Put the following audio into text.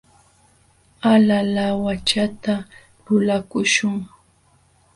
Hala laawachata lulakuśhun.